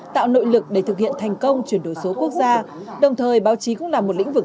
tạo nội lực để thực hiện thành công chuyển đổi số quốc gia đồng thời báo chí cũng là một lĩnh vực